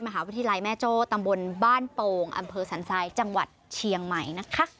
มหาวิทยาลัยแม่โจ้ตำบลบ้านโป่งอำเภอสันทรายจังหวัดเชียงใหม่นะคะ